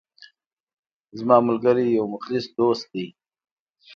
زما ملګری یو مخلص دوست ده